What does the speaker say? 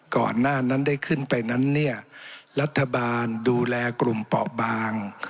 ก่อนหน้านั้นได้ขึ้นไปนั้นเนี่ยรัฐบาลดูแลกลุ่มเปาะบาง